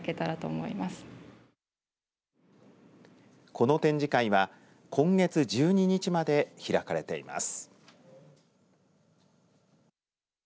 この展示会は今月１２日まで開かれています。